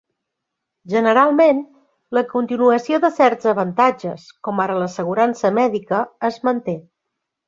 Generalment, la continuació de certs avantatges, com ara l'assegurança mèdica, es manté.